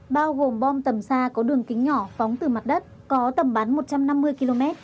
bao gồm bom tầm xa có đường kính nhỏ phóng từ mặt đất có tầm bắn một trăm năm mươi km